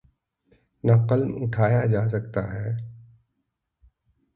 نہ قلم اٹھایا جا سکتا ہے۔